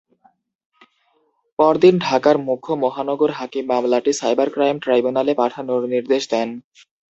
পরদিন ঢাকার মুখ্য মহানগর হাকিম মামলাটি সাইবার ক্রাইম ট্রাইব্যুনালে পাঠানোর নির্দেশ দেন।